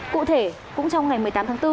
cụ thể cũng trong ngày một mươi tám tháng bốn